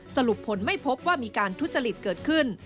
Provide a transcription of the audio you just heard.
สรุปผลไม่พบว่ามีการทุจริตเกิดขึ้น